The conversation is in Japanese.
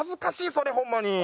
それホンマに。